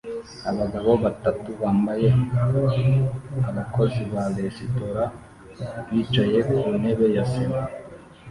Abagabo batatu bambaye abakozi ba resitora bicaye ku ntebe ya sima